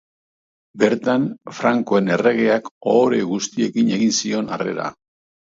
Bertan frankoen erregeak ohore guztiekin egin zion harrera.